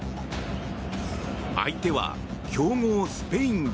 相手は強豪スペインだ。